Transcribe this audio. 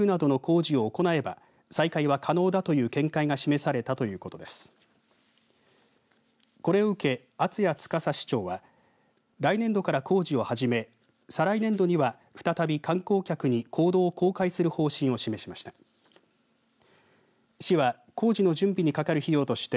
これを受け厚谷司市長は来年度から工事を始め再来年度には再び観光客に坑道を公開する方針を示しました。